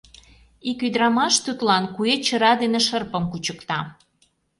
Ик ӱдырамаш тудлан куэ чыра ден шырпым кучыкта.